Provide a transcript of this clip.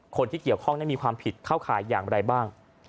คนที่เกี่ยวข้องนั้นมีความผิดเข้าข่ายอย่างไรบ้าง